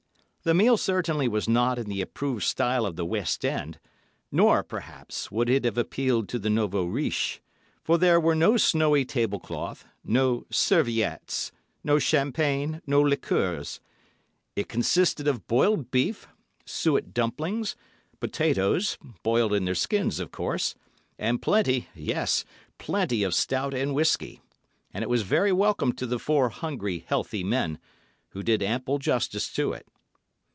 The meal certainly was not in the approved style of the West End, nor, perhaps, would it have appealed to the nouveau riche; for there was no snowy tablecloth, no serviettes, no champagne, no liqueurs; it consisted of boiled beef, suet dumplings, potatoes—boiled in their skins, of course—and plenty, yes, plenty, of stout and whiskey; and it was very welcome to the four hungry, healthy men, who did ample justice to it.